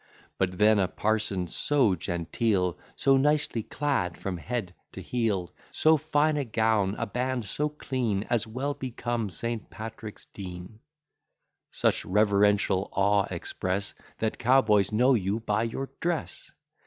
But then a parson so genteel, So nicely clad from head to heel; So fine a gown, a band so clean, As well become St. Patrick's Dean, Such reverential awe express, That cowboys know you by your dress!